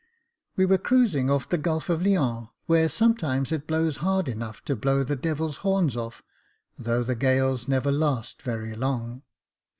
We were cruising off the Gulf of Lyons, where sometimes it blows hard enough to blow the devil's horns off, though the gales never last very long.